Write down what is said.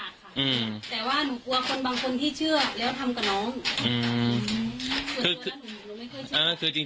แต่ว่าหนูกลัวคนบางคนที่เชื่อแล้วทำกับน้อง